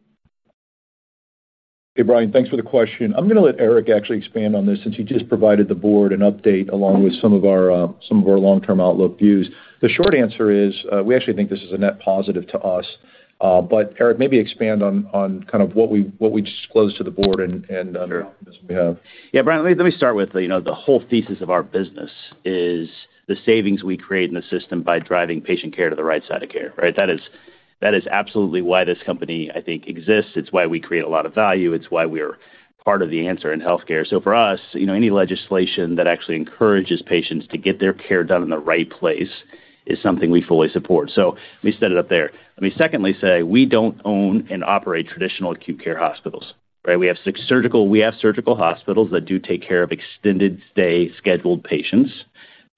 Hey, Brian, thanks for the question. I'm gonna let Eric actually expand on this, since he just provided the board an update, along with some of our, some of our long-term outlook views. The short answer is, we actually think this is a net positive to us. But Eric, maybe expand on, on kind of what we, what we disclosed to the board and, and on the optimism we have. Yeah, Brian, let me, let me start with, you know, the whole thesis of our business is the savings we create in the system by driving patient care to the right side of care, right? That is, that is absolutely why this company, I think, exists. It's why we create a lot of value. It's why we're part of the answer in healthcare. So for us, you know, any legislation that actually encourages patients to get their care done in the right place is something we fully support. So let me set it up there. Let me secondly say, we don't own and operate traditional acute care hospitals, right? We have six surgical hospitals that do take care of extended stay scheduled patients.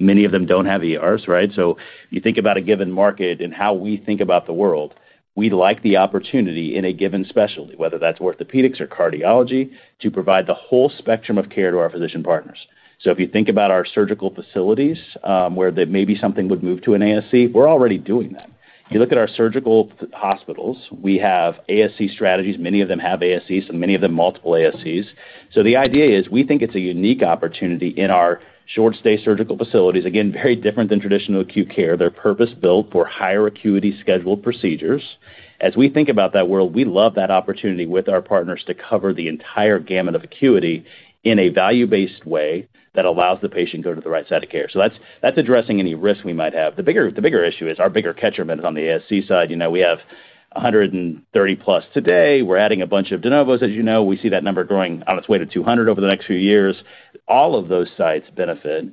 Many of them don't have ERs, right? So you think about a given market and how we think about the world, we like the opportunity in a given specialty, whether that's orthopedics or cardiology, to provide the whole spectrum of care to our physician partners. So if you think about our surgical facilities, where that maybe something would move to an ASC, we're already doing that. You look at our surgical hospitals, we have ASC strategies. Many of them have ASCs, and many of them multiple ASCs. So the idea is, we think it's a unique opportunity in our short stay surgical facilities. Again, very different than traditional acute care. They're purpose-built for higher acuity scheduled procedures. As we think about that world, we love that opportunity with our partners to cover the entire gamut of acuity in a value-based way that allows the patient go to the right side of care. So that's, that's addressing any risk we might have. The bigger, the bigger issue is our bigger catchment on the ASC side. You know, we have 130+ today. We're adding a bunch of de novos. As you know, we see that number growing on its way to 200 over the next few years. All of those sites benefit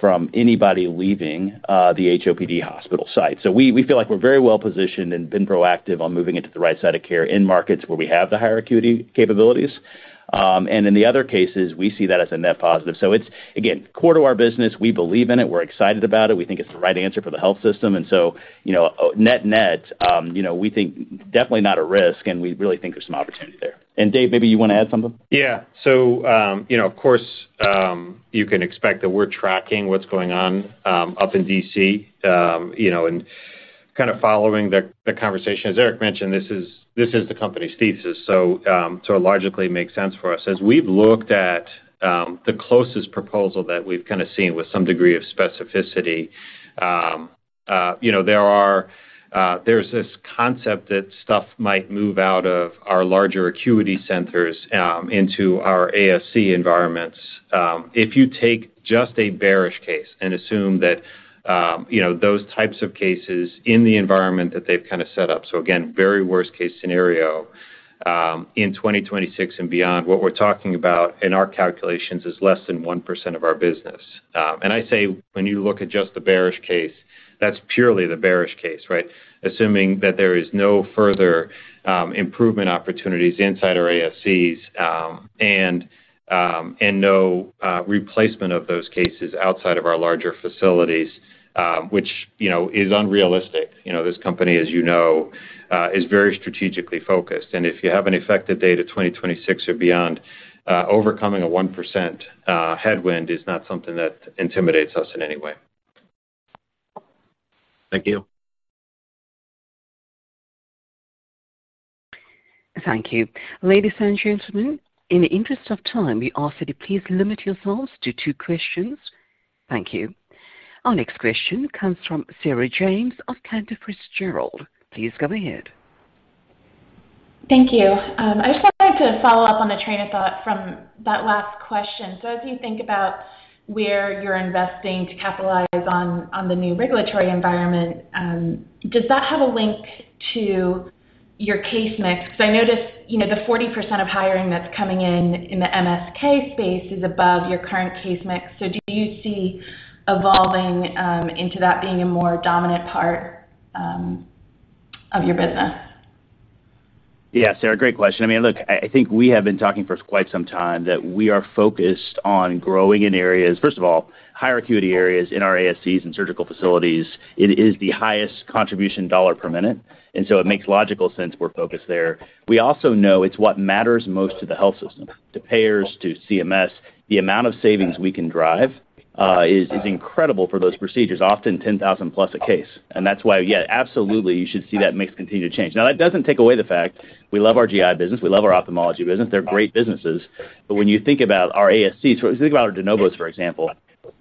from anybody leaving the HOPD hospital site. So we, we feel like we're very well positioned and been proactive on moving into the right side of care in markets where we have the higher acuity capabilities. And in the other cases, we see that as a net positive. So it's, again, core to our business. We believe in it. We're excited about it. We think it's the right answer for the health system. And so, you know, net-net, you know, we think definitely not a risk, and we really think there's some opportunity there. Dave, maybe you wanna add something? Yeah. So, you know, of course, you can expect that we're tracking what's going on up in D.C., you know, and kind of following the, the conversation. As Eric mentioned, this is, this is the company's thesis, so, so it logically makes sense for us. As we've looked at the closest proposal that we've kinda seen with some degree of specificity, you know, there are, there's this concept that stuff might move out of our larger acuity centers into our ASC environments. If you take just a bearish case and assume that, you know, those types of cases in the environment that they've kinda set up, so again, very worst-case scenario, in 2026 and beyond, what we're talking about in our calculations is less than 1% of our business. And I say, when you look at just the bearish case, that's purely the bearish case, right? Assuming that there is no further improvement opportunities inside our ASCs, and no replacement of those cases outside of our larger facilities, which, you know, is unrealistic. You know, this company, as you know, is very strategically focused. And if you have an effective date of 2026 or beyond, overcoming a 1% headwind is not something that intimidates us in any way. Thank you. Thank you. Ladies and gentlemen, in the interest of time, we ask that you please limit yourselves to two questions. Thank you. Our next question comes from Sarah James of Cantor Fitzgerald. Please go ahead. Thank you. I just wanted to follow up on the train of thought from that last question. So as you think about where you're investing to capitalize on, on the new regulatory environment, does that have a link to your case mix? Because I noticed, you know, the 40% of hiring that's coming in in the MSK space is above your current case mix. So do you see evolving into that being a more dominant part of your business? Yeah, Sarah, great question. I mean, look, I think we have been talking for quite some time that we are focused on growing in areas... First of all, higher acuity areas in our ASCs and surgical facilities, it is the highest contribution dollar per minute, and so it makes logical sense we're focused there. We also know it's what matters most to the health system, to payers, to CMS. The amount of savings we can drive is incredible for those procedures, often $10,000+ a case. And that's why, yeah, absolutely, you should see that mix continue to change. Now, that doesn't take away the fact we love our GI business, we love our ophthalmology business. They're great businesses. But when you think about our ASC, so if you think about our de novos, for example,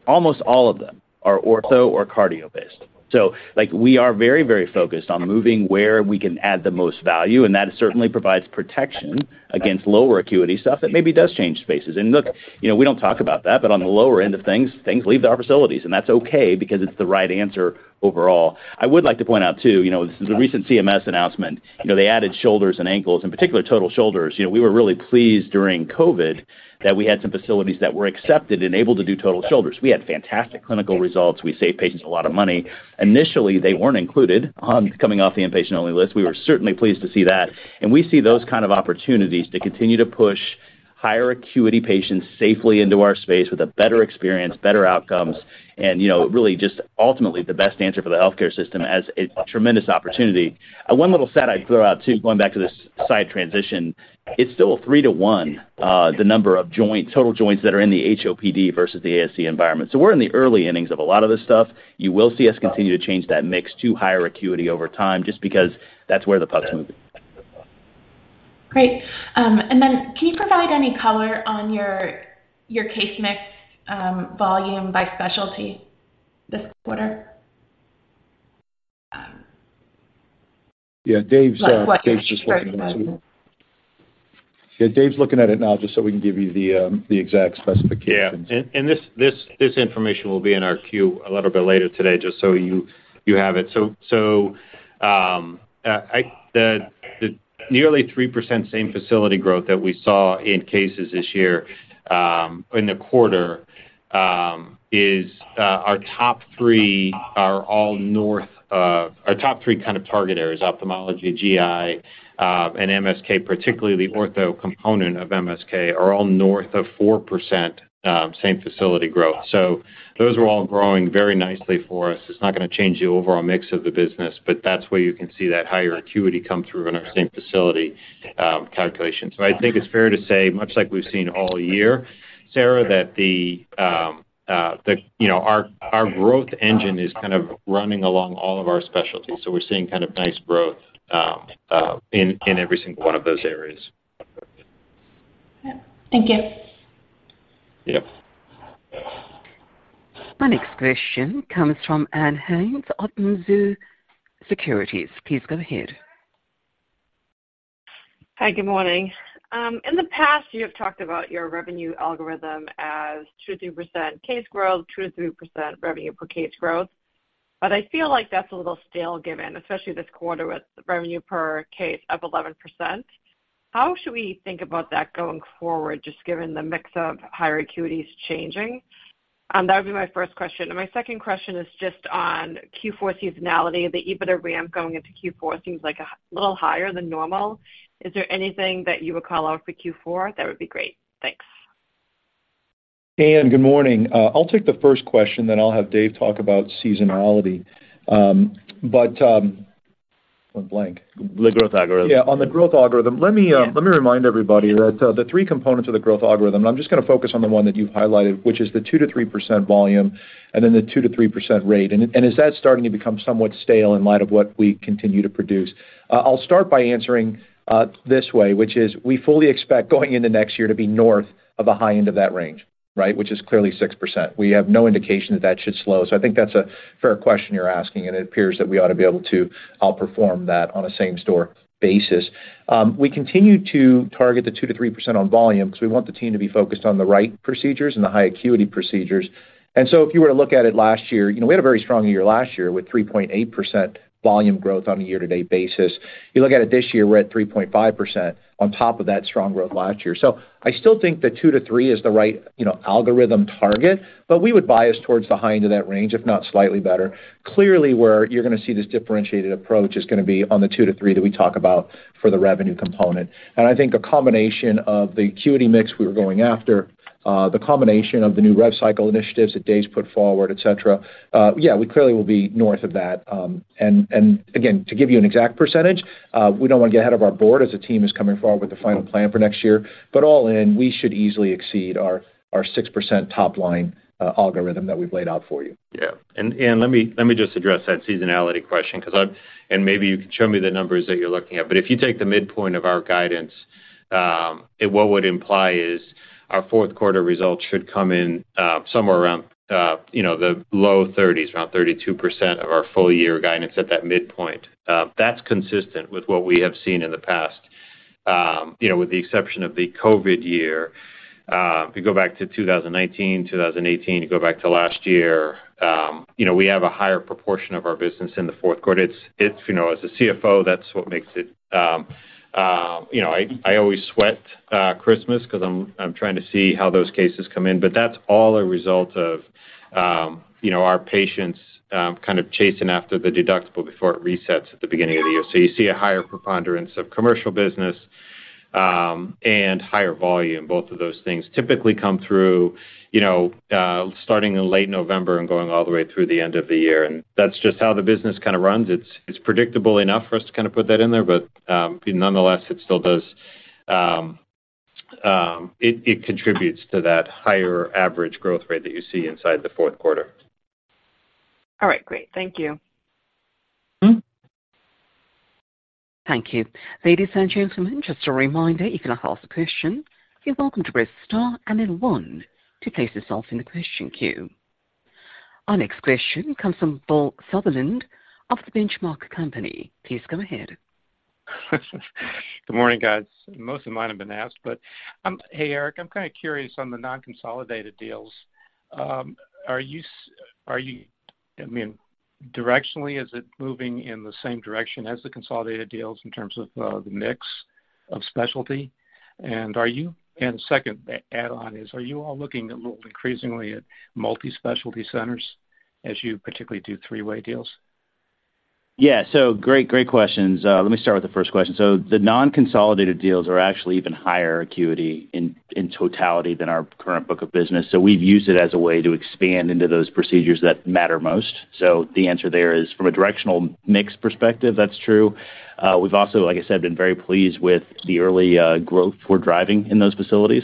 almost all of them are ortho or cardio-based. So, like, we are very, very focused on moving where we can add the most value, and that certainly provides protection against lower acuity stuff that maybe does change spaces. And look, you know, we don't talk about that, but on the lower end of things, things leave to our facilities, and that's okay because it's the right answer overall. I would like to point out, too, you know, the recent CMS announcement, you know, they added shoulders and ankles, in particular, total shoulders. You know, we were really pleased during COVID that we had some facilities that were accepted and able to do total shoulders. We had fantastic clinical results. We saved patients a lot of money. Initially, they weren't included on coming off the inpatient-only list. We were certainly pleased to see that, and we see those kind of opportunities to continue to push higher acuity patients safely into our space with a better experience, better outcomes, and, you know, really just ultimately the best answer for the healthcare system as a tremendous opportunity. One little stat I'd throw out, too, going back to this site transition, it's still a 3:1, the number of joints, total joints that are in the HOPD versus the ASC environment. So we're in the early innings of a lot of this stuff. You will see us continue to change that mix to higher acuity over time, just because that's where the puck's moving. Great. And then, can you provide any color on your case mix, volume by specialty this quarter? Yeah, Dave's, Dave's just looking at it. Sorry about that. Yeah, Dave's looking at it now, just so we can give you the exact specifications. Yeah, and this information will be in our queue a little bit later today, just so you have it. So, the nearly 3% same facility growth that we saw in cases this year, in the quarter, is our top three kind of target areas, ophthalmology, GI, and MSK, particularly the ortho component of MSK, are all north of 4%, same facility growth. So those are all growing very nicely for us. It's not gonna change the overall mix of the business, but that's where you can see that higher acuity come through in our same facility calculations. But I think it's fair to say, much like we've seen all year, Sarah, that you know, our growth engine is kind of running along all of our specialties, so we're seeing kind of nice growth in every single one of those areas. Yeah. Thank you. Yep. Our next question comes from Ann Hynes of Mizuho Securities. Please go ahead. Hi, good morning. In the past, you have talked about your revenue algorithm as 2%-3% case growth, 2%-3% revenue per case growth. But I feel like that's a little stale given, especially this quarter, with revenue per case up 11%. How should we think about that going forward, just given the mix of higher acuities changing? That would be my first question. And my second question is just on Q4 seasonality. The EBITDA ramp going into Q4 seems like a little higher than normal. Is there anything that you would call out for Q4? That would be great. Thanks. Ann, good morning. I'll take the first question, then I'll have Dave talk about seasonality. The growth algorithm. Yeah, on the growth algorithm, let me, let me remind everybody that, the three components of the growth algorithm, I'm just gonna focus on the one that you've highlighted, which is the 2%-3% volume and then the 2%-3% rate. And, and as that's starting to become somewhat stale in light of what we continue to produce, I'll start by answering, this way, which is we fully expect going into next year to be north of the high end of that range, right? Which is clearly 6%. We have no indication that, that should slow. So I think that's a fair question you're asking, and it appears that we ought to be able to outperform that on a same-store basis. We continue to target the 2%-3% on volume because we want the team to be focused on the right procedures and the high acuity procedures. And so if you were to look at it last year, you know, we had a very strong year last year with 3.8% volume growth on a year-to-date basis. You look at it this year, we're at 3.5% on top of that strong growth last year. So I still think that 2-3 is the right, you know, algorithm target, but we would bias towards the high end of that range, if not slightly better. Clearly, where you're gonna see this differentiated approach is gonna be on the 2-3 that we talk about for the revenue component. I think a combination of the acuity mix we were going after, the combination of the new rev cycle initiatives that Dave's put forward, et cetera, yeah, we clearly will be north of that. And again, to give you an exact percentage, we don't want to get ahead of our board as the team is coming forward with the final plan for next year, but all in, we should easily exceed our 6% top-line algorithm that we've laid out for you. Yeah. And, Ann, let me, let me just address that seasonality question because I've and maybe you can show me the numbers that you're looking at. But if you take the midpoint of our guidance, it what would imply is our fourth quarter results should come in, somewhere around, you know, the low thirties, around 32% of our full year guidance at that midpoint. That's consistent with what we have seen in the past... you know, with the exception of the COVID year, if you go back to 2019, 2018, you go back to last year, you know, we have a higher proportion of our business in the fourth quarter. It's you know, as a CFO, that's what makes it you know, I always sweat Christmas 'cause I'm trying to see how those cases come in, but that's all a result of you know, our patients kind of chasing after the deductible before it resets at the beginning of the year. So you see a higher preponderance of commercial business and higher volume. Both of those things typically come through you know, starting in late November and going all the way through the end of the year, and that's just how the business kinda runs. It's predictable enough for us to kinda put that in there, but nonetheless, it still does... it contributes to that higher average growth rate that you see inside the fourth quarter. All right, great. Thank you. Thank you. Ladies and gentlemen, just a reminder, if you'd like to ask a question, you're welcome to press star and then one to place yourself in the question queue. Our next question comes from Bill Sutherland of The Benchmark Company. Please go ahead. Good morning, guys. Most of mine have been asked, but hey, Eric, I'm kinda curious on the non-consolidated deals. Are you... I mean, directionally, is it moving in the same direction as the consolidated deals in terms of the mix of specialty? And second, add-on is, are you all looking a little increasingly at multi-specialty centers as you particularly do three-way deals? Yeah, so great, great questions. Let me start with the first question. So the non-consolidated deals are actually even higher acuity in totality than our current book of business, so we've used it as a way to expand into those procedures that matter most. So the answer there is, from a directional mix perspective, that's true. We've also, like I said, been very pleased with the early growth we're driving in those facilities.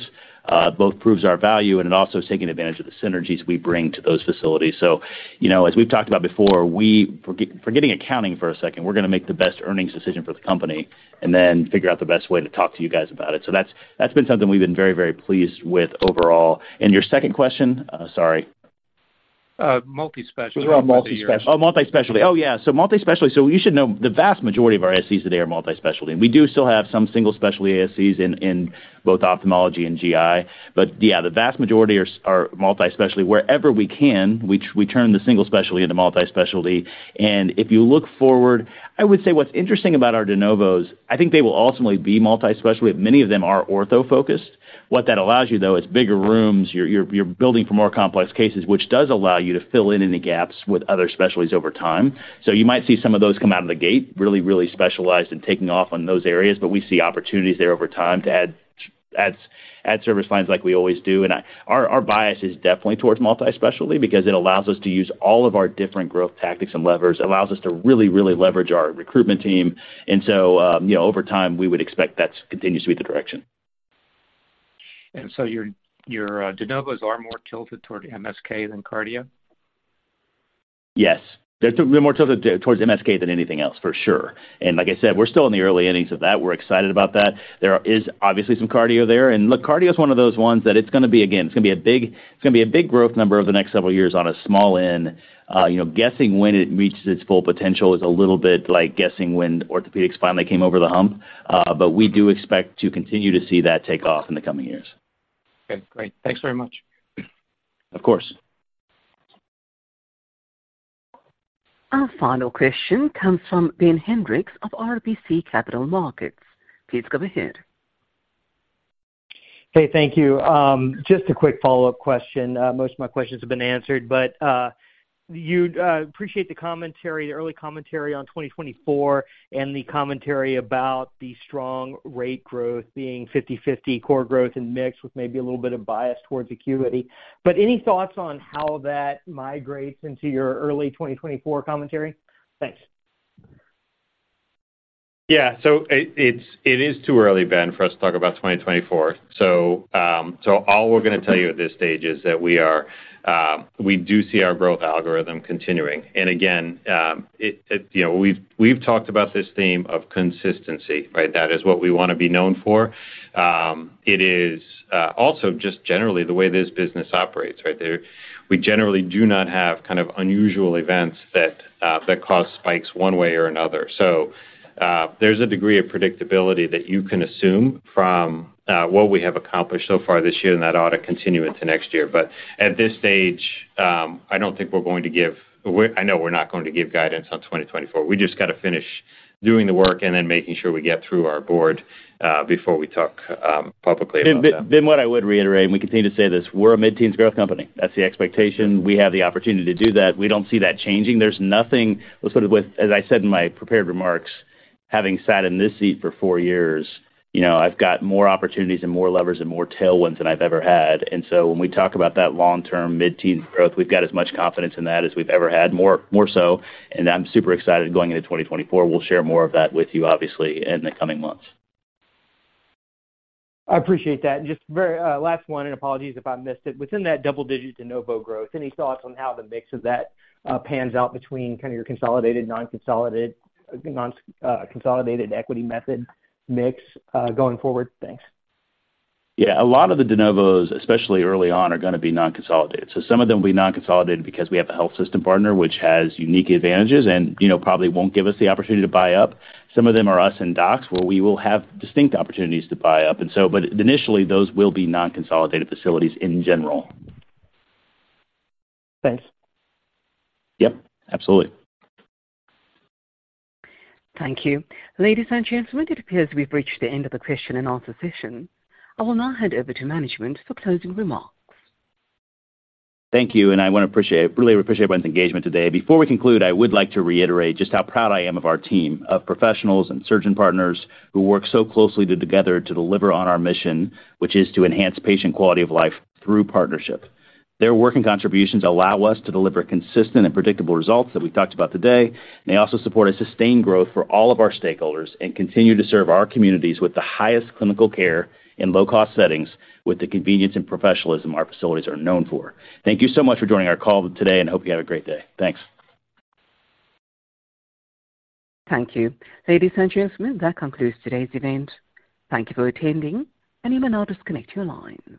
Both proves our value, and it also is taking advantage of the synergies we bring to those facilities. So, you know, as we've talked about before, we, for forgetting accounting for a second, we're gonna make the best earnings decision for the company and then figure out the best way to talk to you guys about it. So that's, that's been something we've been very, very pleased with overall. Your second question? Sorry. Uh, multi-specialty. It was around multi-specialty. Oh, multi-specialty. Oh, yeah, so multi-specialty, so you should know the vast majority of our ASCs today are multi-specialty, and we do still have some single specialty ASCs in both ophthalmology and GI. But yeah, the vast majority are multi-specialty. Wherever we can, we turn the single specialty into multi-specialty. And if you look forward, I would say what's interesting about our de novos, I think they will ultimately be multi-specialty. Many of them are ortho-focused. What that allows you, though, is bigger rooms. You're building for more complex cases, which does allow you to fill in any gaps with other specialties over time. So you might see some of those come out of the gate, really, really specialized and taking off on those areas, but we see opportunities there over time to add service lines like we always do. Our bias is definitely towards multi-specialty because it allows us to use all of our different growth tactics and levers. It allows us to really, really leverage our recruitment team, and so, you know, over time, we would expect that continues to be the direction. And so your de novos are more tilted toward MSK than cardio? Yes. They're more tilted towards MSK than anything else, for sure. And like I said, we're still in the early innings of that. We're excited about that. There is obviously some cardio there, and look, cardio is one of those ones that it's gonna be, again, a big growth number over the next several years on a small end. You know, guessing when it reaches its full potential is a little bit like guessing when orthopedics finally came over the hump, but we do expect to continue to see that take off in the coming years. Okay, great. Thanks very much. Of course. Our final question comes from Ben Hendrix of RBC Capital Markets. Please go ahead. Hey, thank you. Just a quick follow-up question. Most of my questions have been answered, but you appreciate the commentary, the early commentary on 2024 and the commentary about the strong rate growth being 50/50 core growth and mix, with maybe a little bit of bias towards acuity. But any thoughts on how that migrates into your early 2024 commentary? Thanks. Yeah. So it's too early, Ben, for us to talk about 2024. So all we're gonna tell you at this stage is that we are, we do see our growth algorithm continuing. And again, it, you know, we've talked about this theme of consistency, right? That is what we wanna be known for. It is also just generally the way this business operates, right? We generally do not have kind of unusual events that that cause spikes one way or another. So there's a degree of predictability that you can assume from what we have accomplished so far this year, and that ought to continue into next year. But at this stage, I don't think we're going to give... I know we're not going to give guidance on 2024. We just gotta finish doing the work and then making sure we get through our board before we talk publicly about that. Ben, what I would reiterate, and we continue to say this: We're a mid-teens growth company. That's the expectation. We have the opportunity to do that. We don't see that changing. There's nothing. Well, sort of with, as I said in my prepared remarks, having sat in this seat for four years, you know, I've got more opportunities and more levers and more tailwinds than I've ever had. And so when we talk about that long-term mid-teen growth, we've got as much confidence in that as we've ever had. More, more so, and I'm super excited going into 2024. We'll share more of that with you, obviously, in the coming months. I appreciate that. Just very last one, and apologies if I missed it. Within that double-digit de novo growth, any thoughts on how the mix of that pans out between kinda your consolidated, non-consolidated equity method mix going forward? Thanks. Yeah. A lot of the de novos, especially early on, are gonna be non-consolidated. So some of them will be non-consolidated because we have a health system partner, which has unique advantages and, you know, probably won't give us the opportunity to buy up. Some of them are us and docs, where we will have distinct opportunities to buy up. And so, but initially, those will be non-consolidated facilities in general. Thanks. Yep, absolutely. Thank you. Ladies and gentlemen, it appears we've reached the end of the Q&A session. I will now hand over to management for closing remarks. Thank you, and I wanna appreciate, really appreciate everyone's engagement today. Before we conclude, I would like to reiterate just how proud I am of our team of professionals and surgeon partners who work so closely together to deliver on our mission, which is to enhance patient quality of life through partnership. Their work and contributions allow us to deliver consistent and predictable results that we talked about today, and they also support a sustained growth for all of our stakeholders and continue to serve our communities with the highest clinical care in low-cost settings, with the convenience and professionalism our facilities are known for. Thank you so much for joining our call today, and I hope you have a great day. Thanks. Thank you. Ladies and gentlemen, that concludes today's event. Thank you for attending, and you may now disconnect your lines.